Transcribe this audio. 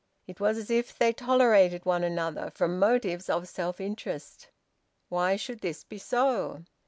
It was as if they tolerated one another, from motives of self interest. Why should this be so?